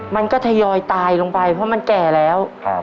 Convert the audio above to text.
มันก็ทยอยตายลงไปเพราะมันแก่แล้ว